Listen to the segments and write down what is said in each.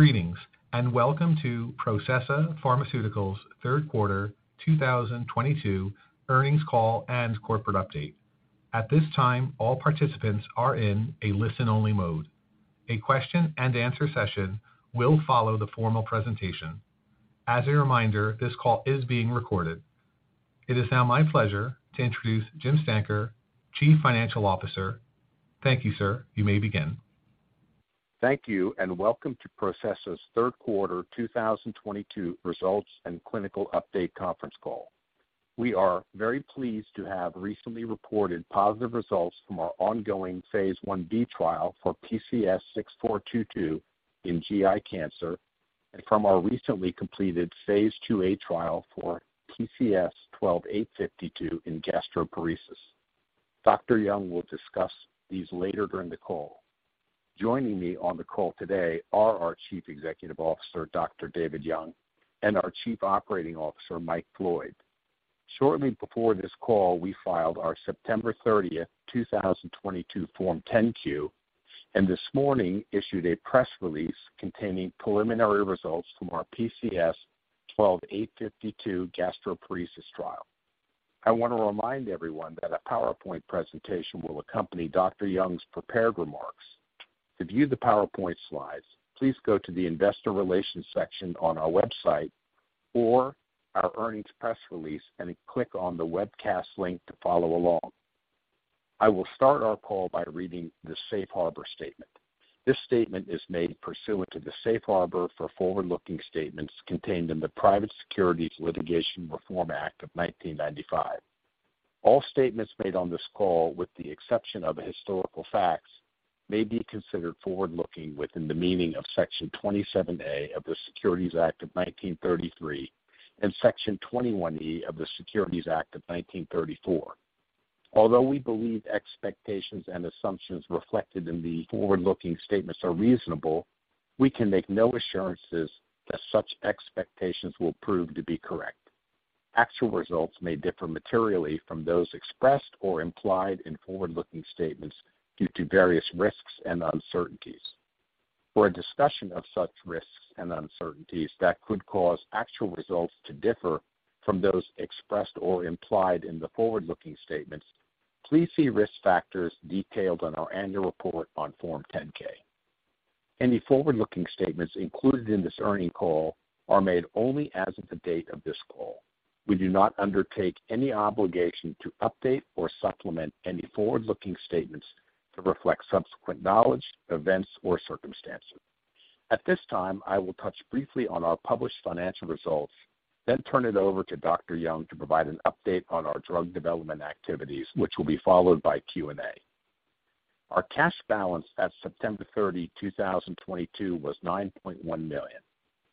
Greetings, and welcome to Processa Pharmaceuticals third quarter 2022 earnings call and corporate update. At this time, all participants are in a listen-only mode. A question-and-answer session will follow the formal presentation. As a reminder, this call is being recorded. It is now my pleasure to introduce Jim Stanker, Chief Financial Officer. Thank you, sir. You may begin. Thank you, and welcome to Processa's third quarter 2022 results and clinical update conference call. We are very pleased to have recently reported positive results from our ongoing phase I-B trial for PCS6422 in GI cancer and from our recently completed phase II-A trial for PCS12852 in gastroparesis. Dr. Young will discuss these later during the call. Joining me on the call today are our Chief Executive Officer, Dr. David Young, and our Chief Operating Officer, Mike Floyd. Shortly before this call, we filed our September 30, 2022 Form 10-Q, and this morning issued a press release containing preliminary results from our PCS12852 gastroparesis trial. I wanna remind everyone that a PowerPoint presentation will accompany Dr. Young's prepared remarks. To view the PowerPoint slides, please go to the investor relations section on our website or our earnings press release and click on the webcast link to follow along. I will start our call by reading the safe harbor statement. This statement is made pursuant to the safe harbor for forward-looking statements contained in the Private Securities Litigation Reform Act of 1995. All statements made on this call, with the exception of historical facts, may be considered forward-looking within the meaning of Section 27A of the Securities Act of 1933 and Section 21E of the Securities Exchange Act of 1934. Although we believe expectations and assumptions reflected in the forward-looking statements are reasonable, we can make no assurances that such expectations will prove to be correct. Actual results may differ materially from those expressed or implied in forward-looking statements due to various risks and uncertainties. For a discussion of such risks and uncertainties that could cause actual results to differ from those expressed or implied in the forward-looking statements, please see risk factors detailed on our annual report on Form 10-K. Any forward-looking statements included in this earnings call are made only as of the date of this call. We do not undertake any obligation to update or supplement any forward-looking statements to reflect subsequent knowledge, events, or circumstances. At this time, I will touch briefly on our published financial results, then turn it over to Dr. Young to provide an update on our drug development activities, which will be followed by Q&A. Our cash balance at September 30, 2022 was $9.1 million.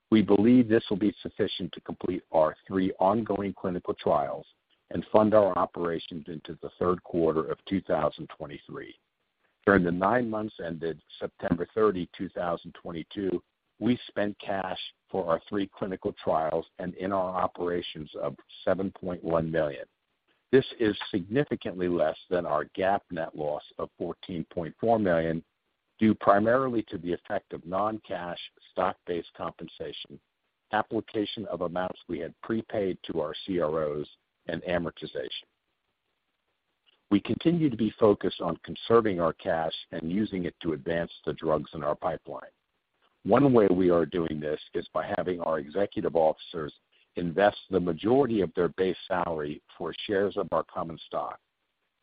We believe this will be sufficient to complete our three ongoing clinical trials and fund our operations into the third quarter of 2023. During the nine months ended September 30, 2022, we spent cash for our three clinical trials and in our operations of $7.1 million. This is significantly less than our GAAP net loss of $14.4 million, due primarily to the effect of non-cash stock-based compensation, application of amounts we had prepaid to our CROs, and amortization. We continue to be focused on conserving our cash and using it to advance the drugs in our pipeline. One way we are doing this is by having our executive officers invest the majority of their base salary for shares of our common stock.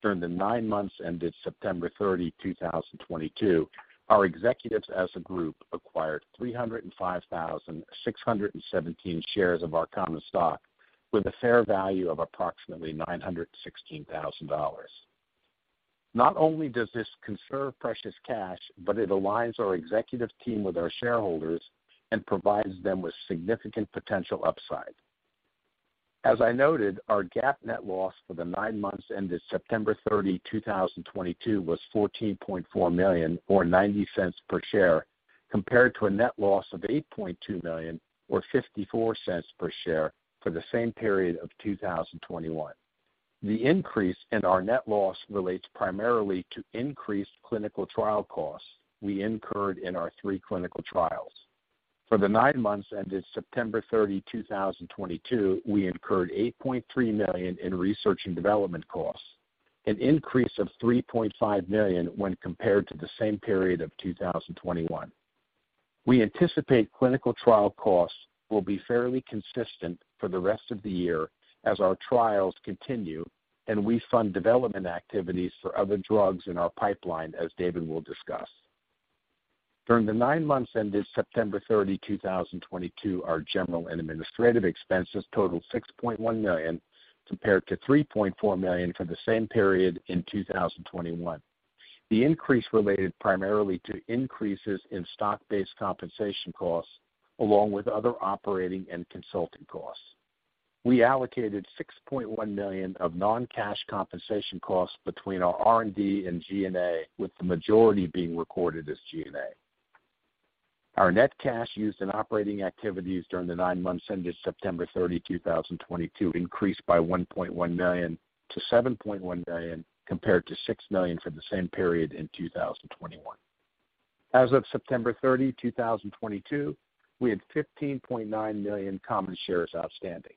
During the nine months ended September 30, 2022, our executives as a group acquired 305,617 shares of our common stock with a fair value of approximately $916,000. Not only does this conserve precious cash, but it aligns our executive team with our shareholders and provides them with significant potential upside. As I noted, our GAAP net loss for the nine months ended September 30, 2022 was $14.4 million or $0.90 per share, compared to a net loss of $8.2 million or $0.54 per share for the same period of 2021. The increase in our net loss relates primarily to increased clinical trial costs we incurred in our three clinical trials. For the nine months ended September 30, 2022, we incurred $8.3 million in research and development costs, an increase of $3.5 million when compared to the same period of 2021. We anticipate clinical trial costs will be fairly consistent for the rest of the year as our trials continue and we fund development activities for other drugs in our pipeline, as David will discuss. During the nine months ended September 30, 2022, our general and administrative expenses totaled $6.1 million, compared to $3.4 million for the same period in 2021. The increase related primarily to increases in stock-based compensation costs along with other operating and consulting costs. We allocated $6.1 million of non-cash compensation costs between our R&D and G&A, with the majority being recorded as G&A. Our net cash used in operating activities during the nine months ended September 30, 2022 increased by $1.1 million to $7.1 million, compared to $6 million for the same period in 2021. As of September 30, 2022, we had 15.9 million common shares outstanding.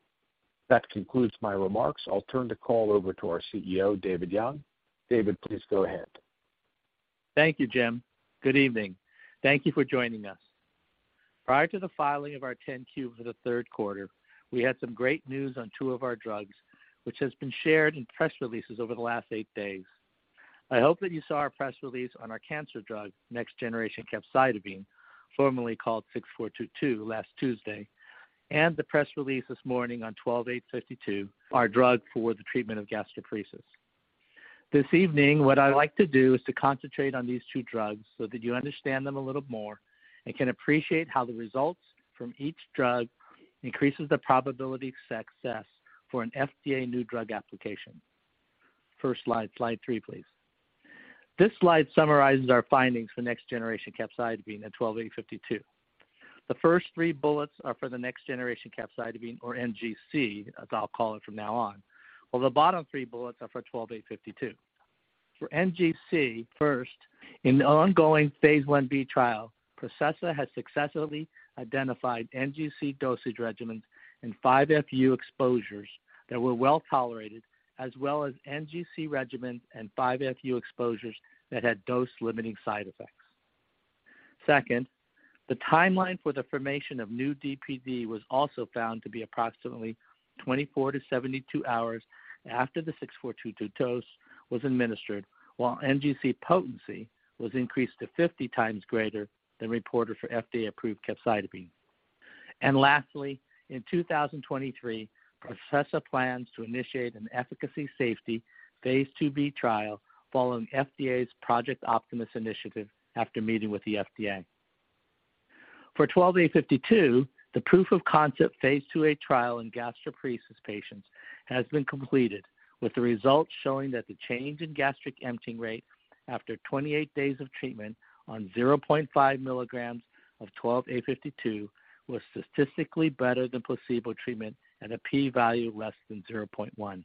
That concludes my remarks. I'll turn the call over to our CEO, David Young. David, please go ahead. Thank you, Jim. Good evening. Thank you for joining us. Prior to the filing of our 10-Q for the third quarter, we had some great news on two of our drugs which has been shared in press releases over the last eight days. I hope that you saw our press release on our cancer drug, Next Generation Capecitabine, formerly called PCS6422, last Tuesday, and the press release this morning on PCS12852, our drug for the treatment of gastroparesis. This evening, what I like to do is to concentrate on these two drugs so that you understand them a little more and can appreciate how the results from each drug increases the probability of success for an FDA new drug application. First slide three, please. This slide summarizes our findings for Next Generation Capecitabine at PCS12852. The first three bullets are for the Next Generation Capecitabine or NGC, as I'll call it from now on, while the bottom three bullets are for PCS12852. For NGC, first, in the ongoing phase I-B trial, Processa has successfully identified NGC dosage regimens and 5-FU exposures that were well-tolerated, as well as NGC regimens and 5-FU exposures that had dose-limiting side effects. Second, the timeline for the formation of new DPD was also found to be approximately 24-72 hours after the PCS6422 dose was administered, while NGC potency was increased to 50 times greater than reported for FDA-approved capecitabine. Lastly, in 2023, Processa plans to initiate an efficacy safety phase II-B trial following FDA's Project Optimus initiative after meeting with the FDA. For PCS12852, the proof of concept phase II-A trial in gastroparesis patients has been completed, with the results showing that the change in gastric emptying rate after 28 days of treatment on 0.5 milligrams of PCS12852 was statistically better than placebo treatment at a P-value less than 0.1.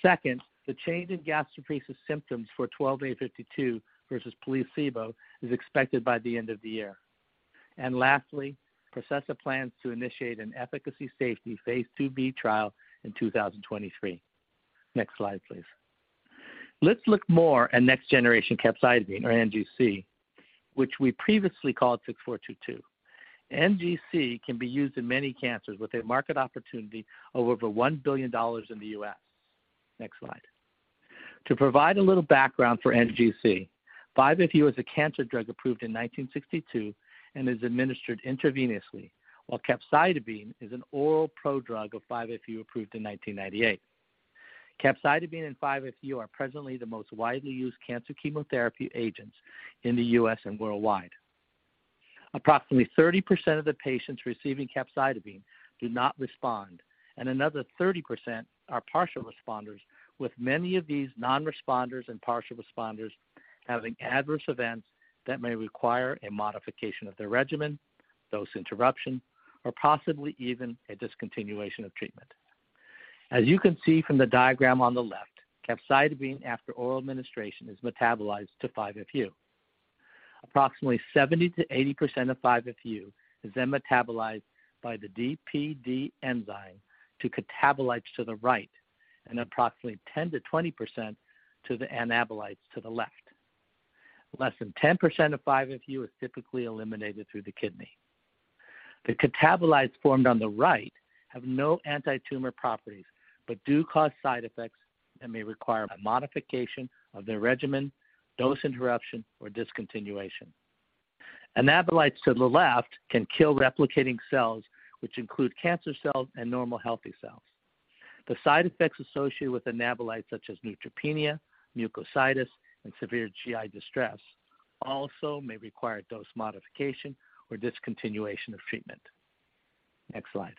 Second, the change in gastroparesis symptoms for PCS12852 versus placebo is expected by the end of the year. Lastly, Processa plans to initiate an efficacy safety phase II-B trial in 2023. Next slide, please. Let's look more at Next Generation Capecitabine, or NGC, which we previously called PCS6422. NGC can be used in many cancers with a market opportunity over $1 billion in the US. Next slide. To provide a little background for NGC, 5-FU is a cancer drug approved in 1962 and is administered intravenously, while capecitabine is an oral prodrug of 5-FU approved in 1998. Capecitabine and 5-FU are presently the most widely used cancer chemotherapy agents in the U.S. and worldwide. Approximately 30% of the patients receiving capecitabine do not respond, and another 30% are partial responders, with many of these non-responders and partial responders having adverse events that may require a modification of their regimen, dose interruption, or possibly even a discontinuation of treatment. As you can see from the diagram on the left, capecitabine after oral administration is metabolized to 5-FU. Approximately 70%-80% of 5-FU is then metabolized by the DPD enzyme to catabolites to the right and approximately 10%-20% to the anabolites to the left. Less than 10% of 5-FU is typically eliminated through the kidney. The catabolites formed on the right have no antitumor properties but do cause side effects that may require a modification of their regimen, dose interruption, or discontinuation. Anabolites to the left can kill replicating cells, which include cancer cells and normal healthy cells. The side effects associated with anabolites, such as neutropenia, mucositis, and severe GI distress, also may require dose modification or discontinuation of treatment. Next slide.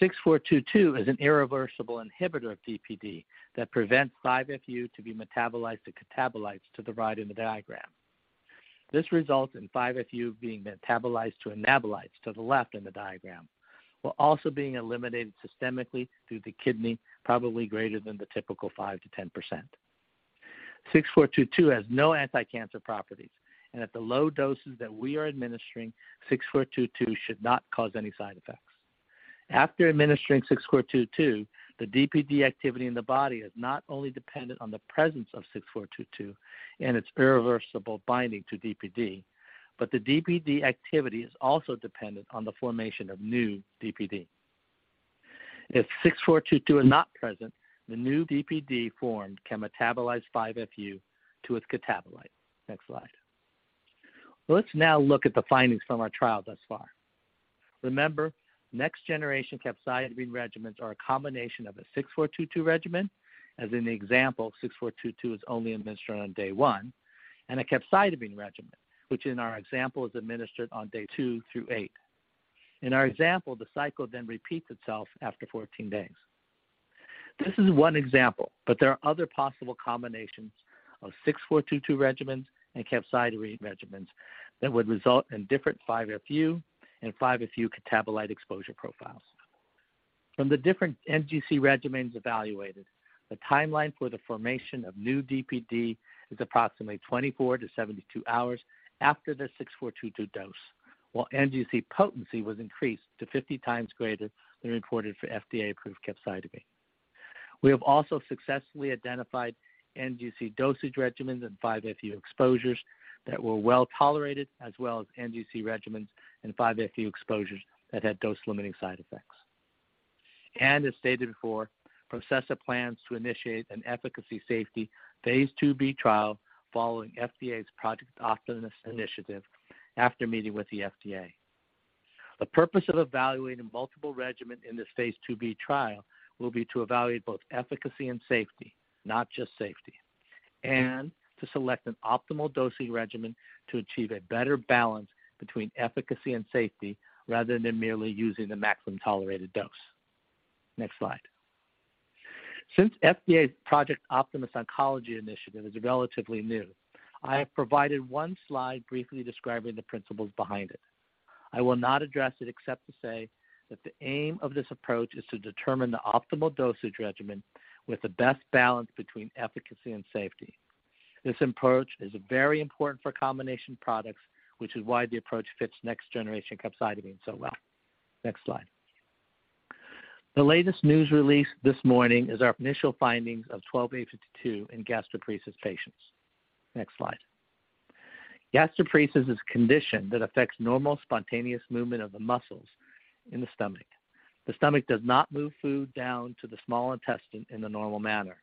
PCS6422 is an irreversible inhibitor of DPD that prevents 5-FU to be metabolized to catabolites to the right in the diagram. This results in 5-FU being metabolized to anabolites to the left in the diagram, while also being eliminated systemically through the kidney, probably greater than the typical 5%-10%. PCS6422 has no anticancer properties, and at the low doses that we are administering, PCS6422 should not cause any side effects. After administering PCS6422, the DPD activity in the body is not only dependent on the presence of PCS6422 and its irreversible binding to DPD, but the DPD activity is also dependent on the formation of new DPD. If PCS6422 is not present, the new DPD formed can metabolize 5-FU to its catabolite. Next slide. Let's now look at the findings from our trial thus far. Remember, Next Generation Capecitabine regimens are a combination of a PCS6422 regimen, as in the example, PCS6422 is only administered on day one, and a capecitabine regimen, which in our example is administered on day two through eight. In our example, the cycle then repeats itself after 14 days. This is one example, but there are other possible combinations of PCS6422 regimens and capecitabine regimens that would result in different 5-FU and 5-FU catabolite exposure profiles. From the different NGC regimens evaluated, the timeline for the formation of new DPD is approximately 24-72 hours after the PCS6422 dose. While NGC potency was increased to 50 times greater than reported for FDA-approved capecitabine. We have also successfully identified NGC dosage regimens and 5-FU exposures that were well tolerated, as well as NGC regimens and 5-FU exposures that had dose-limiting side effects. As stated before, Processa plans to initiate an efficacy safety phase II-B trial following FDA's Project Optimus initiative after meeting with the FDA. The purpose of evaluating multiple regimen in this phase II-B trial will be to evaluate both efficacy and safety, not just safety, and to select an optimal dosing regimen to achieve a better balance between efficacy and safety rather than merely using the maximum tolerated dose. Next slide. Since FDA's Project Optimus Oncology initiative is relatively new, I have provided one slide briefly describing the principles behind it. I will not address it except to say that the aim of this approach is to determine the optimal dosage regimen with the best balance between efficacy and safety. This approach is very important for combination products, which is why the approach fits Next Generation Capecitabine so well. Next slide. The latest news release this morning is our initial findings of PCS12852 in gastroparesis patients. Next slide. Gastroparesis is a condition that affects normal spontaneous movement of the muscles in the stomach. The stomach does not move food down to the small intestine in the normal manner.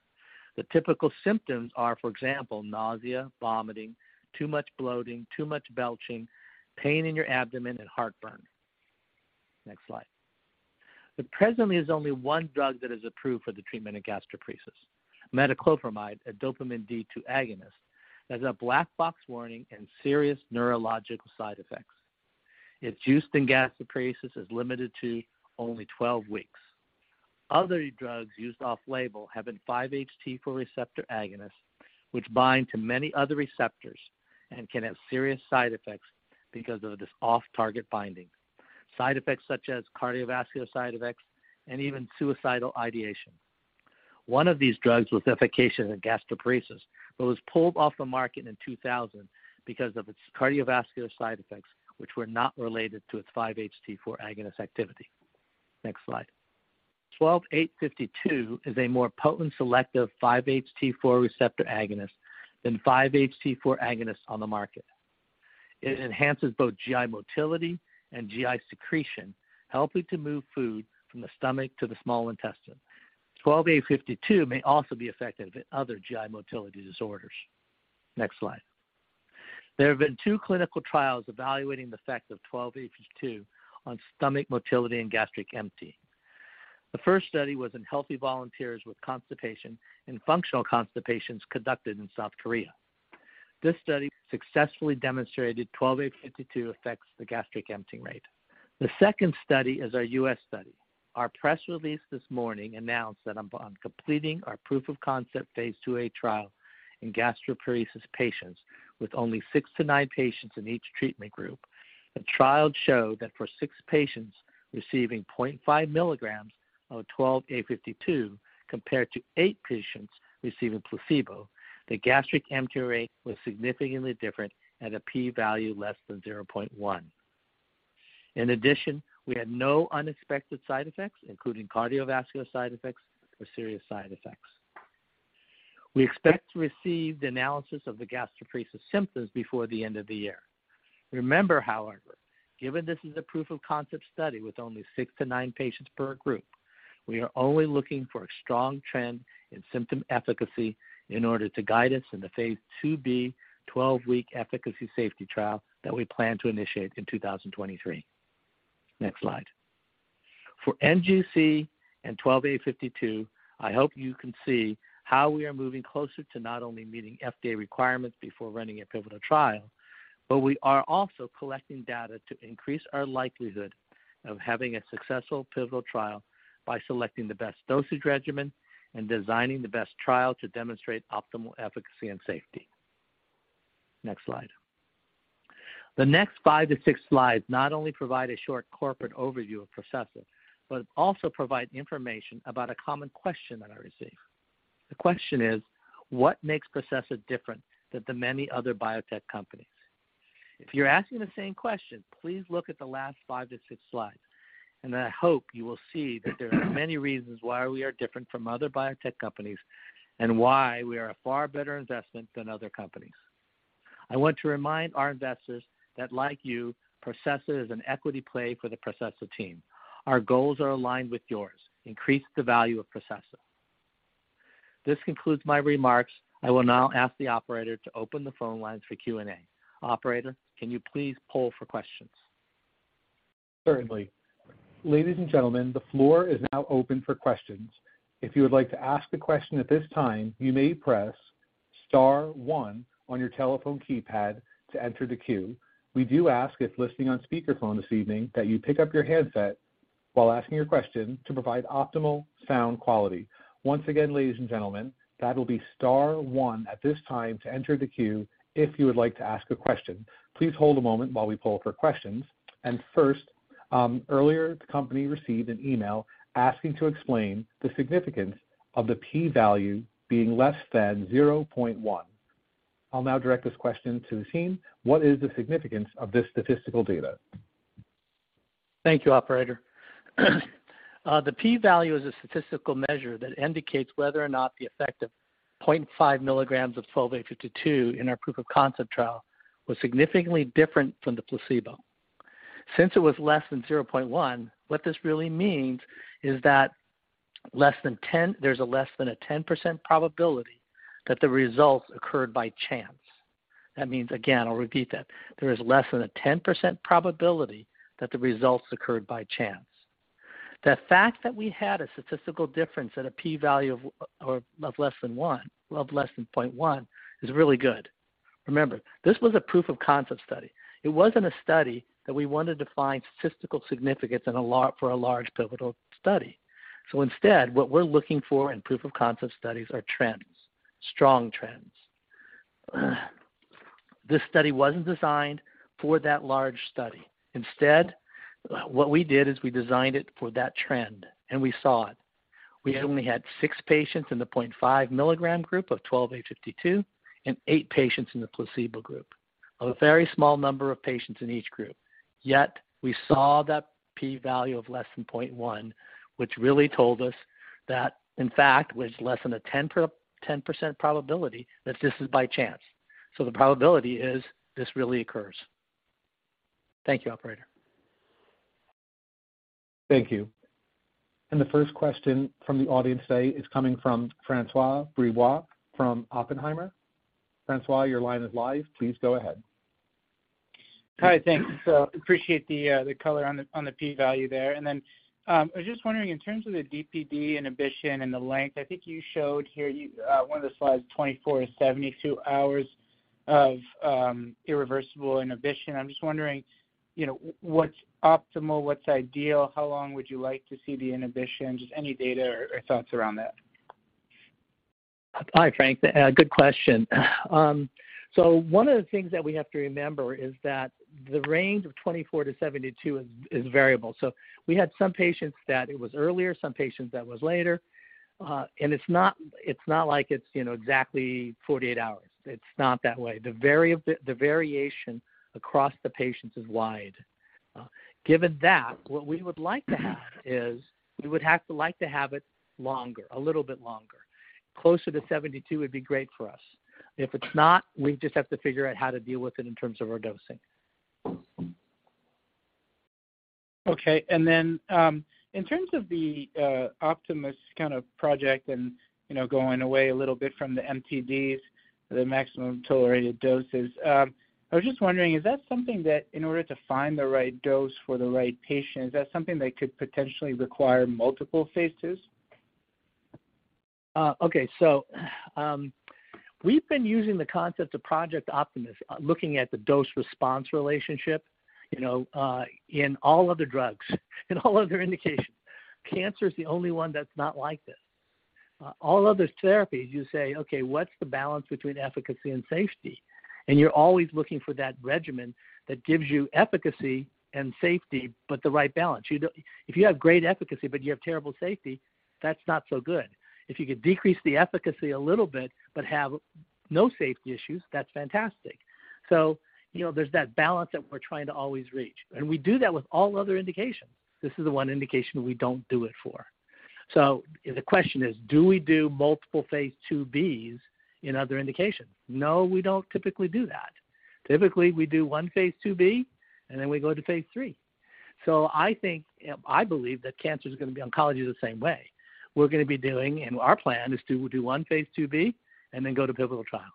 The typical symptoms are, for example, nausea, vomiting, too much bloating, too much belching, pain in your abdomen, and heartburn. Next slide. Presently, there's only one drug that is approved for the treatment of gastroparesis. Metoclopramide, a dopamine D2 antagonist, has a black box warning and serious neurological side effects. Its use in gastroparesis is limited to only 12 weeks. Other drugs used off-label have been 5-HT4 receptor agonists, which bind to many other receptors and can have serious side effects because of this off-target binding. Side effects such as cardiovascular side effects and even suicidal ideation. One of these drugs was efficacious in gastroparesis but was pulled off the market in 2000 because of its cardiovascular side effects, which were not related to its 5-HT4 agonist activity. Next slide. PCS12852 is a more potent selective 5-HT4 receptor agonist than 5-HT4 agonists on the market. It enhances both GI motility and GI secretion, helping to move food from the stomach to the small intestine. PCS12852 may also be effective in other GI motility disorders. Next slide. There have been two clinical trials evaluating the effect of PCS12852 on stomach motility and gastric emptying. The first study was in healthy volunteers with constipation and functional constipation conducted in South Korea. This study successfully demonstrated PCS12852 affects the gastric emptying rate. The second study is our U.S. study. Our press release this morning announced that upon completing our proof-of-concept phase II-A trial in gastroparesis patients with only six to nine patients in each treatment group, the trial showed that for six patients receiving 0.5 milligrams of PCS12852 compared to eight patients receiving placebo, the gastric emptying rate was significantly different at a p-value less than 0.1. In addition, we had no unexpected side effects, including cardiovascular side effects or serious side effects. We expect to receive the analysis of the gastroparesis symptoms before the end of the year. Remember, however, given this is a proof-of-concept study with only six to nine patients per group, we are only looking for a strong trend in symptom efficacy in order to guide us in the phase II-B 12-week efficacy safety trial that we plan to initiate in 2023. Next slide. For NGC and PCS12852, I hope you can see how we are moving closer to not only meeting FDA requirements before running a pivotal trial, but we are also collecting data to increase our likelihood of having a successful pivotal trial by selecting the best dosage regimen and designing the best trial to demonstrate optimal efficacy and safety. Next slide. The next five to six slides not only provide a short corporate overview of Processa, but also provide information about a common question that I receive. The question is, what makes Processa different than the many other biotech companies? If you're asking the same question, please look at the last five to six slides, and I hope you will see that there are many reasons why we are different from other biotech companies and why we are a far better investment than other companies. I want to remind our investors that like you, Processa is an equity play for the Processa team. Our goals are aligned with yours, increase the value of Processa. This concludes my remarks. I will now ask the operator to open the phone lines for Q&A. Operator, can you please poll for questions? Certainly. Ladies and gentlemen, the floor is now open for questions. If you would like to ask a question at this time, you may press star one on your telephone keypad to enter the queue. We do ask if listening on speakerphone this evening that you pick up your handset while asking your question to provide optimal sound quality. Once again, ladies and gentlemen, that'll be star one at this time to enter the queue if you would like to ask a question. Please hold a moment while we poll for questions. First, earlier, the company received an email asking to explain the significance of the P-value being less than 0.1. I'll now direct this question to the team. What is the significance of this statistical data? Thank you, operator. The P-value is a statistical measure that indicates whether or not the effect of 0.5 milligrams of PCS12852 in our proof of concept trial was significantly different from the placebo. Since it was less than 0.1, what this really means is that less than 10%, there's a less than a 10% probability that the results occurred by chance. That means, again, I'll repeat that. There is less than a 10% probability that the results occurred by chance. The fact that we had a statistical difference at a P-value of less than 0.1 is really good. Remember, this was a proof of concept study. It wasn't a study that we wanted to find statistical significance for a large pivotal study. Instead, what we're looking for in proof of concept studies are trends, strong trends. This study wasn't designed for that large study. Instead, what we did is we designed it for that trend, and we saw it. We only had six patients in the 0.5 milligram group of PCS12852 and eight patients in the placebo group. A very small number of patients in each group. Yet we saw that P-value of less than 0.1, which really told us that, in fact, was less than a 10% probability that this is by chance. The probability is this really occurs. Thank you, operator. Thank you. The first question from the audience today is coming from François Brisebois from Oppenheimer. François, your line is live. Please go ahead. Hi. Thanks. Appreciate the color on the P-value there. I was just wondering in terms of the DPD inhibition and the length. I think you showed here one of the slides, 24-72 hours of irreversible inhibition. I'm just wondering, you know, what's optimal, what's ideal, how long would you like to see the inhibition? Just any data or thoughts around that. Hi, Frank. Good question. One of the things that we have to remember is that the range of 24-72 is variable. We had some patients that it was earlier, some patients that was later. It's not like it's, you know, exactly 48 hours. It's not that way. The variation across the patients is wide. Given that, what we would like to have is we would like to have it longer, a little bit longer. Closer to 72 would be great for us. If it's not, we just have to figure out how to deal with it in terms of our dosing. In terms of the Project Optimus kind of project and going away a little bit from the MTD, the maximum tolerated doses, I was just wondering, is that something that in order to find the right dose for the right patient, is that something that could potentially require multiple phases? We've been using the concept of Project Optimus, looking at the dose-response relationship, you know, in all other drugs, in all other indications. Cancer is the only one that's not like this. All other therapies, you say, "Okay, what's the balance between efficacy and safety?" You're always looking for that regimen that gives you efficacy and safety, but the right balance. If you have great efficacy, but you have terrible safety, that's not so good. If you could decrease the efficacy a little bit but have no safety issues, that's fantastic. You know, there's that balance that we're trying to always reach, and we do that with all other indications. This is the one indication we don't do it for. The question is, do we do multiple phase II-B's in other indications? No, we don't typically do that. Typically, we do one phase II-B, and then we go to phase III. I think, I believe that cancer is gonna be oncology the same way. We're gonna be doing, and our plan is to do one phase II-B and then go to pivotal trial.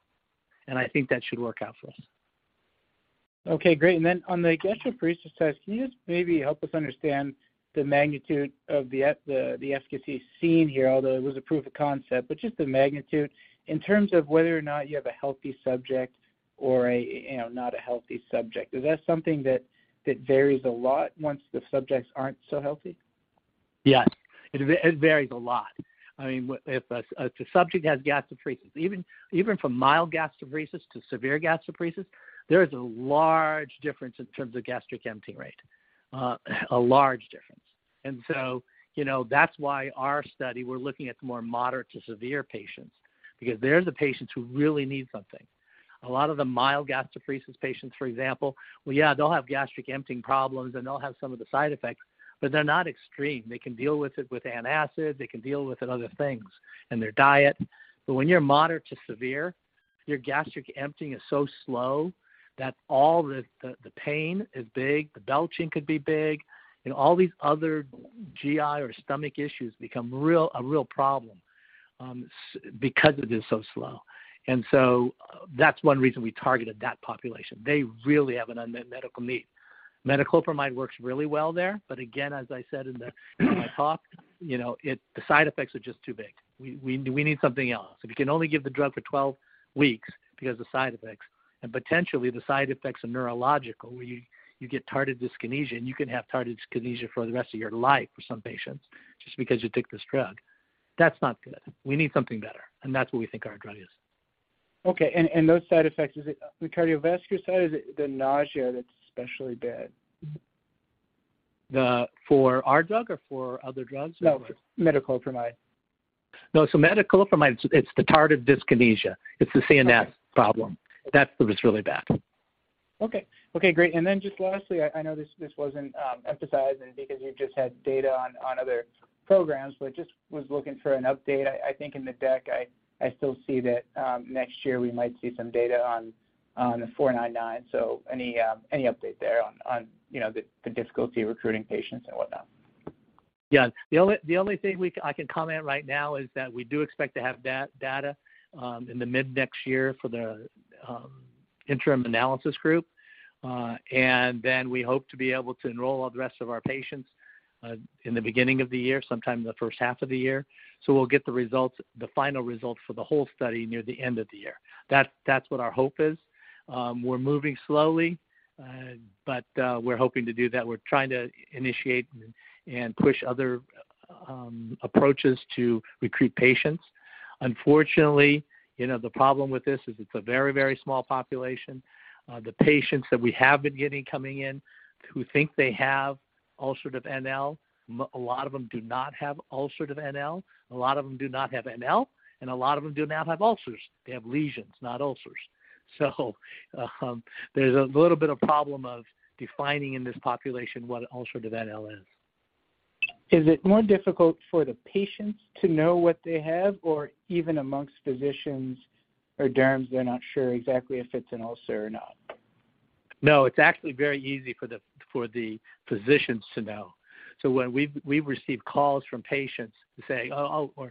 I think that should work out for us. Okay, great. Then on the gastroparesis test, can you just maybe help us understand the magnitude of the efficacy seen here, although it was a proof of concept, but just the magnitude in terms of whether or not you have a healthy subject or a, you know, not a healthy subject? Is that something that varies a lot once the subjects aren't so healthy? Yes, it varies a lot. I mean, if a subject has gastroparesis, even from mild gastroparesis to severe gastroparesis, there is a large difference in terms of gastric emptying rate. A large difference. You know, that's why our study, we're looking at more moderate to severe patients because they're the patients who really need something. A lot of the mild gastroparesis patients, for example, well, yeah, they'll have gastric emptying problems, and they'll have some of the side effects, but they're not extreme. They can deal with it with antacid, they can deal with it other things in their diet. When you're moderate to severe, your gastric emptying is so slow that all the pain is big, the belching could be big, and all these other GI or stomach issues become a real problem because it is so slow. That's one reason we targeted that population. They really have an unmet medical need. Metoclopramide works really well there, but again, as I said in my talk, you know, it the side effects are just too big. We need something else. If you can only give the drug for 12 weeks because of side effects, and potentially the side effects are neurological, where you get tardive dyskinesia, and you can have tardive dyskinesia for the rest of your life for some patients just because you took this drug, that's not good. We need something better, and that's what we think our drug is. Okay. Those side effects, is it the cardiovascular side or is it the nausea that's especially bad? For our drug or for other drugs? No, for Metoclopramide. No. Metoclopramide, it's the tardive dyskinesia. It's the CNS problem. Okay. That's what was really bad. Okay, great. Then just lastly, I know this wasn't emphasized and because you just had data on other programs, but just was looking for an update. I think in the deck I still see that next year we might see some data on PCS499. Any update there on you know the difficulty recruiting patients and whatnot? The only thing I can comment right now is that we do expect to have data in the mid-next year for the interim analysis group. We hope to be able to enroll all the rest of our patients in the beginning of the year, sometime in the first half of the year. We'll get the results, the final results for the whole study near the end of the year. That's what our hope is. We're moving slowly, but we're hoping to do that. We're trying to initiate and push other approaches to recruit patients. Unfortunately, you know, the problem with this is it's a very small population. The patients that we have been getting coming in who think they have ulcerative NL, a lot of them do not have ulcerative NL, a lot of them do not have NL, and a lot of them do not have ulcers. They have lesions, not ulcers. There's a little bit of problem of defining in this population what ulcerative NL is. Is it more difficult for the patients to know what they have, or even amongst physicians or derms they're not sure exactly if it's an ulcer or not? No. It's actually very easy for the physicians to know. When we've received calls from patients who say, or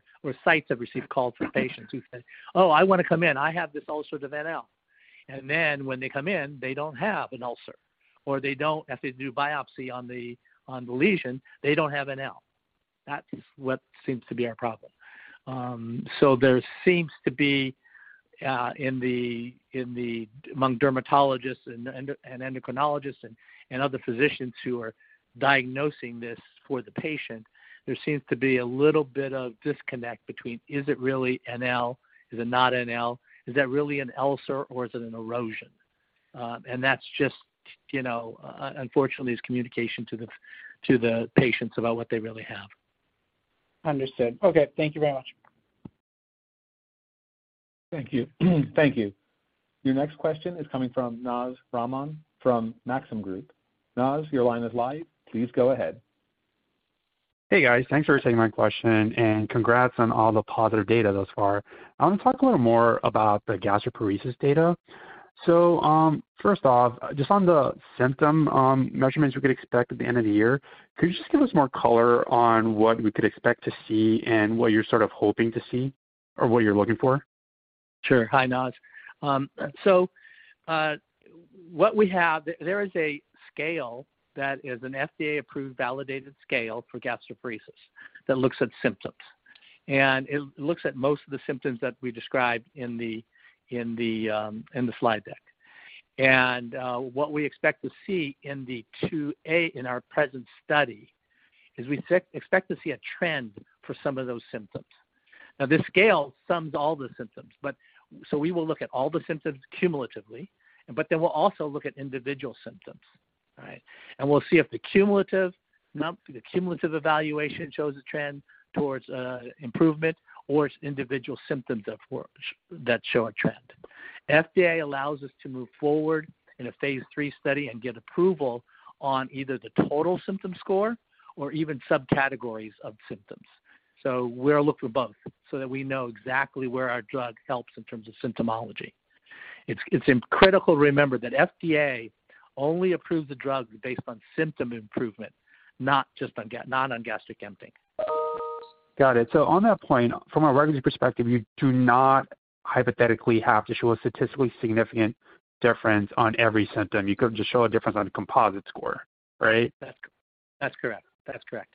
sites have received calls from patients who said, "Oh, I wanna come in. I have this ulcerative NL." When they come in, they don't have an ulcer, or if they do biopsy on the lesion, they don't have NL. That's what seems to be our problem. There seems to be among dermatologists and endocrinologists and other physicians who are diagnosing this for the patient, there seems to be a little bit of disconnect between is it really NL, is it not NL, is that really an ulcer or is it an erosion? That's just, you know, unfortunately it's communication to the patients about what they really have. Understood. Okay, thank you very much. Thank you. Thank you. Your next question is coming from Naz Rahman from Maxim Group. Naz, your line is live. Please go ahead. Hey, guys. Thanks for taking my question, and congrats on all the positive data thus far. I wanna talk a little more about the gastroparesis data. First off, just on the symptom measurements we could expect at the end of the year, could you just give us more color on what we could expect to see and what you're sort of hoping to see or what you're looking for? Sure. Hi, Naz. There is a scale that is an FDA-approved validated scale for gastroparesis that looks at symptoms. It looks at most of the symptoms that we described in the slide deck. What we expect to see in the phase II-A, in our present study, is we expect to see a trend for some of those symptoms. Now, this scale sums all the symptoms, but so we will look at all the symptoms cumulatively, but then we'll also look at individual symptoms. All right. We'll see if the cumulative evaluation shows a trend towards improvement or it's individual symptoms that show a trend. FDA allows us to move forward in a phase III study and get approval on either the total symptom score or even subcategories of symptoms. We'll look for both so that we know exactly where our drug helps in terms of symptomology. It's critical to remember that FDA only approves a drug based on symptom improvement, not just on gastric emptying. Got it. On that point, from a regulatory perspective, you do not hypothetically have to show a statistically significant difference on every symptom. You could just show a difference on the composite score, right? That's correct. That's correct.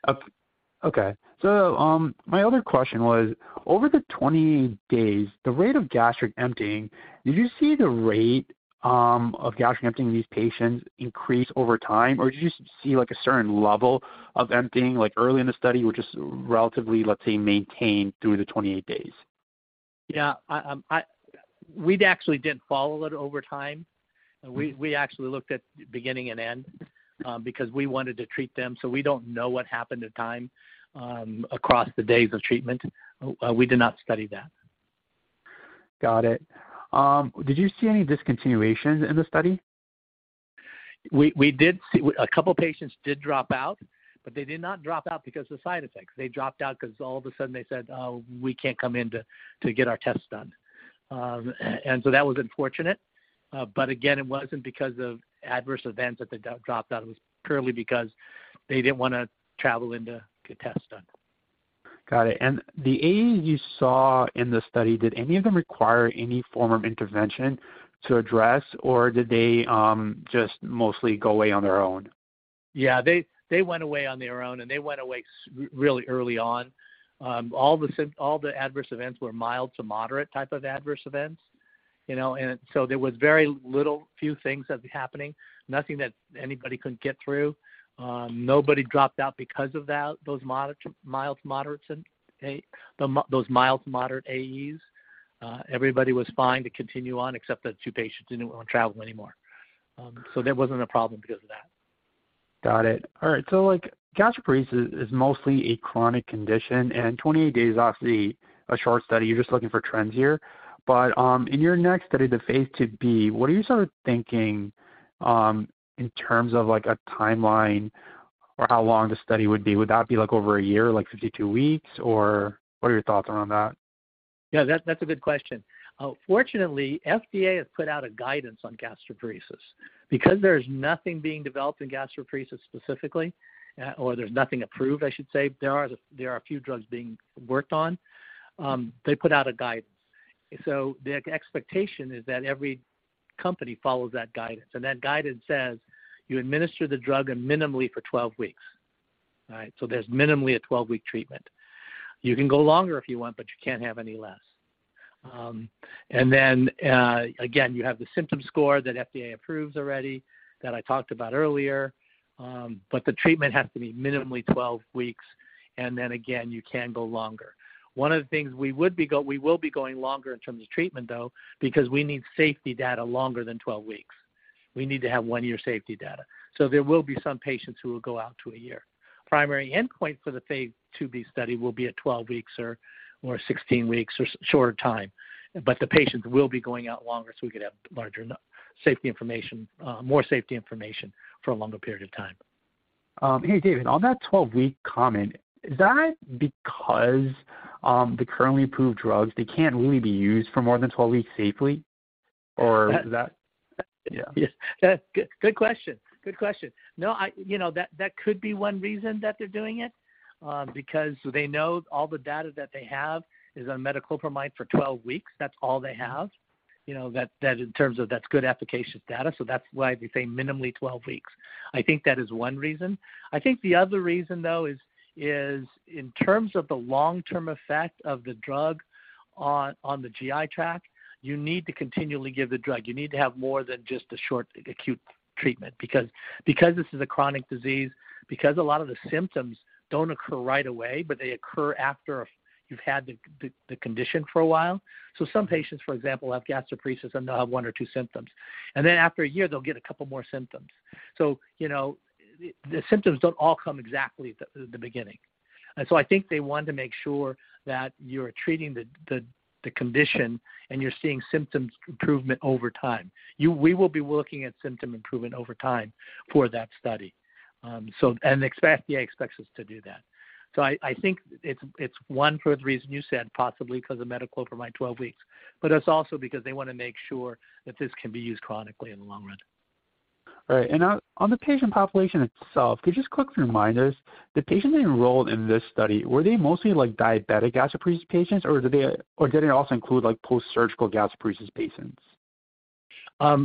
Okay. My other question was, over the 20 days, the rate of gastric emptying, did you see the rate of gastric emptying in these patients increase over time or did you just see like a certain level of emptying, like early in the study, which is relatively, let's say, maintained through the 28 days? Yeah. We actually didn't follow it over time. We actually looked at beginning and end, because we wanted to treat them, so we don't know what happened to time, across the days of treatment. We did not study that. Got it. Did you see any discontinuations in the study? We did see a couple patients did drop out, but they did not drop out because of side effects. They dropped out 'cause all of a sudden they said, "Oh, we can't come in to get our tests done." That was unfortunate. Again, it wasn't because of adverse events that they dropped out. It was purely because they didn't wanna travel in to get tests done. Got it. The AE you saw in the study, did any of them require any form of intervention to address or did they just mostly go away on their own? They went away on their own and they went away really early on. All the adverse events were mild to moderate type of adverse events, you know. There was very few things that'd be happening. Nothing that anybody couldn't get through. Nobody dropped out because of that, those mild, moderate AEs. Everybody was fine to continue on except the two patients who didn't wanna travel anymore. There wasn't a problem because of that. Got it. All right. Like, gastroparesis is mostly a chronic condition, and 28 days is obviously a short study. You're just looking for trends here. In your next study, the phase II-B, what are you sort of thinking in terms of, like, a timeline or how long the study would be? Would that be, like, over a year, like 52 weeks, or what are your thoughts around that? Yeah, that's a good question. Fortunately, FDA has put out a guidance on gastroparesis. Because there's nothing being developed in gastroparesis specifically, or there's nothing approved, I should say, there are a few drugs being worked on, they put out a guidance. The expectation is that every company follows that guidance. That guidance says, you administer the drug minimally for 12 weeks. All right. There's minimally a 12-week treatment. You can go longer if you want, but you can't have any less. Again, you have the symptom score that FDA approves already that I talked about earlier, but the treatment has to be minimally 12 weeks. Then again, you can go longer. One of the things we will be going longer in terms of treatment, though, because we need safety data longer than 12 weeks. We need to have one-year safety data. There will be some patients who will go out to a year. Primary endpoint for the phase II-B study will be at 12 weeks or 16 weeks or shorter time. The patients will be going out longer, so we could have longer safety information, more safety information for a longer period of time. Hey, David. On that 12-week comment, is that because the currently approved drugs can't really be used for more than 12 weeks safely? Or is that- Yeah. Yes. Good question. No, you know, that could be one reason that they're doing it, because they know all the data that they have is on metoclopramide for 12 weeks. That's all they have, you know, that in terms of that's good application data, so that's why they say minimally 12 weeks. I think that is one reason. I think the other reason, though, is in terms of the long-term effect of the drug on the GI tract, you need to continually give the drug. You need to have more than just a short, acute treatment. Because this is a chronic disease, because a lot of the symptoms don't occur right away, but they occur after you've had the condition for a while. So some patients, for example, have gastroparesis, and they'll have one or two symptoms. Then after a year, they'll get a couple more symptoms. You know, the symptoms don't all come exactly at the beginning. I think they want to make sure that you're treating the condition and you're seeing symptoms improvement over time. We will be looking at symptom improvement over time for that study. The FDA expects us to do that. I think it's one for the reason you said, possibly 'cause of Metoclopramide 12 weeks, but it's also because they wanna make sure that this can be used chronically in the long run. Right. Now on the patient population itself, could you just quickly remind us, the patients enrolled in this study, were they mostly, like, diabetic gastroparesis patients, or did it also include, like, post-surgical gastroparesis patients?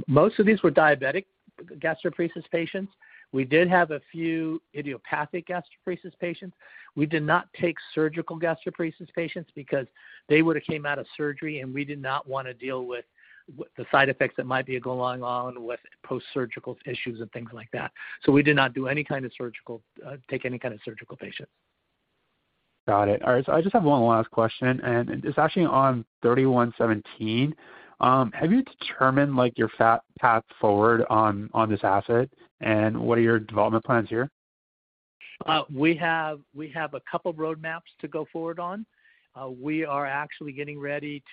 Most of these were diabetic gastroparesis patients. We did have a few idiopathic gastroparesis patients. We did not take surgical gastroparesis patients because they would've came out of surgery, and we did not wanna deal with the side effects that might be going on with post-surgical issues and things like that. We did not take any kind of surgical patients. Got it. All right. I just have one last question, and it's actually on PCS3117. Have you determined, like, your path forward on this asset, and what are your development plans here? We have a couple roadmaps to go forward on. We are actually getting ready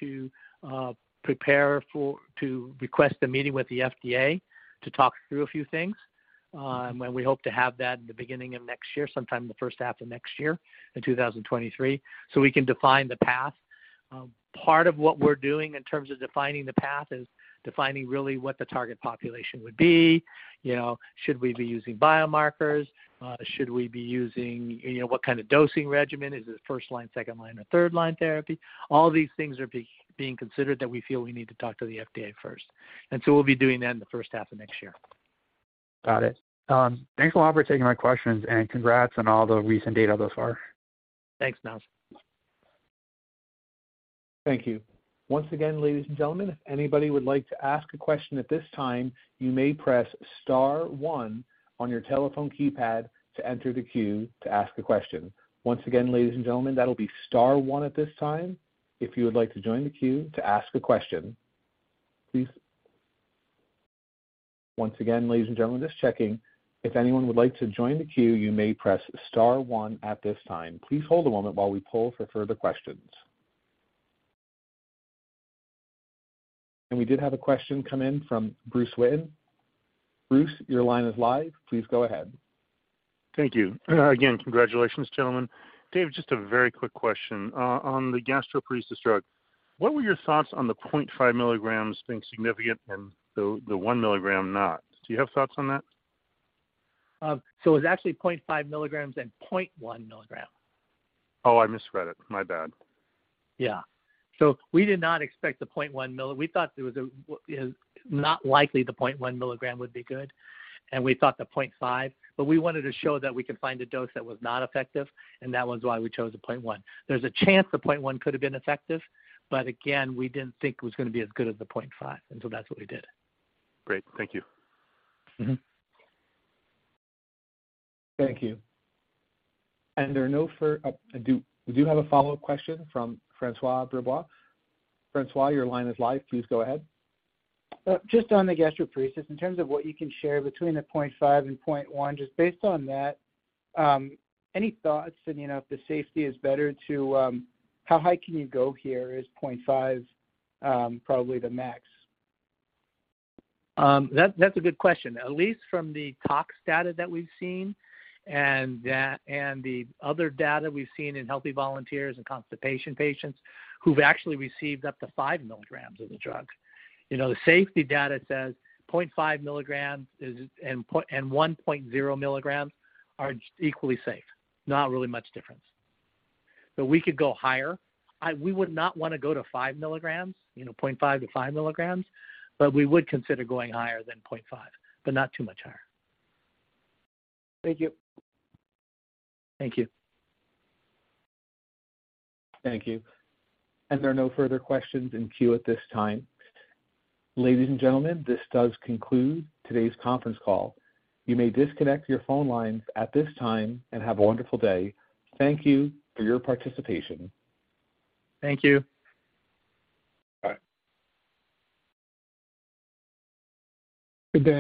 to request a meeting with the FDA to talk through a few things. We hope to have that in the beginning of next year, sometime in the first half of next year in 2023, so we can define the path. Part of what we're doing in terms of defining the path is defining really what the target population would be. You know, should we be using biomarkers? Should we be using, you know, what kind of dosing regimen? Is it first-line, second-line, or third-line therapy? All these things are being considered that we feel we need to talk to the FDA first. We'll be doing that in the first half of next year. Got it. Thanks a lot for taking my questions, and congrats on all the recent data thus far. Thanks, Naz Rahman. Thank you. Once again, ladies and gentlemen, if anybody would like to ask a question at this time, you may press star one on your telephone keypad to enter the queue to ask a question. Once again, ladies and gentlemen, that'll be star one at this time if you would like to join the queue to ask a question. Once again, ladies and gentlemen, just checking. If anyone would like to join the queue, you may press star one at this time. Please hold a moment while we poll for further questions. We did have a question come in from Bruce Witten. Bruce, your line is live. Please go ahead. Thank you. Again, congratulations, gentlemen. David, just a very quick question. On the gastroparesis drug, what were your thoughts on the 0.5 milligrams being significant and the one milligram not? Do you have thoughts on that? It's actually 0.5 milligrams and 0.1 milligram. Oh, I misread it. My bad. We did not expect the 0.1 milligram. We thought it was not likely the 0.1 milligram would be good, and we thought the 0.5. We wanted to show that we could find a dose that was not effective, and that was why we chose the 0.1. There's a chance the 0.1 could have been effective, but again, we didn't think it was gonna be as good as the 0.5, and that's what we did. Great. Thank you. Mm-hmm. Thank you. We do have a follow-up question from François Brisebois. François, your line is live. Please go ahead. Just on the gastroparesis, in terms of what you can share between the 0.5 and 0.1, just based on that, any thoughts on, you know, if the safety is better to, how high can you go here? Is 0.5 probably the max? That's a good question. At least from the tox data that we've seen and the other data we've seen in healthy volunteers and constipation patients who've actually received up to 5 milligrams of the drug. You know, the safety data says 0.5 milligrams is, and 1.0 milligrams are equally safe. Not really much difference. We could go higher. We would not wanna go to 5 milligrams, you know, 0.5 to 5 milligrams, but we would consider going higher than 0.5, but not too much higher. Thank you. Thank you. Thank you. There are no further questions in queue at this time. Ladies and gentlemen, this does conclude today's conference call. You may disconnect your phone lines at this time and have a wonderful day. Thank you for your participation. Thank you. Bye. Good day.